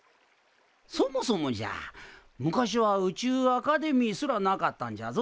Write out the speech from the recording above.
そもそもじゃ昔は宇宙アカデミーすらなかったんじゃぞ。